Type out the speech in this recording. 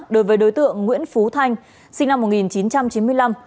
đối với đối tượng nguyễn phú thanh sinh năm một nghìn chín trăm chín mươi năm